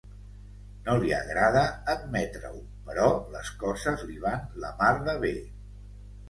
No li agrada admetre-ho, però les coses li van la mar de bé.